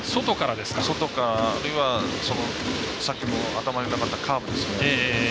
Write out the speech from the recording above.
外か、あるいはさっきも頭になかったカーブですね。